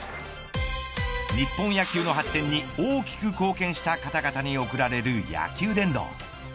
日本野球の発展に大きく貢献した方々に贈られる野球殿堂。